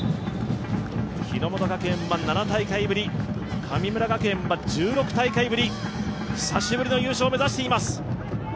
日ノ本学園は７大会ぶり、神村学園は１６大会ぶり久しぶりの優勝を目指しています。